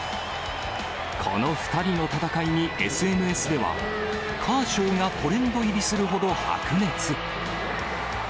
この２人の戦いに、ＳＮＳでは、カーショウがトレンド入りするほど白熱。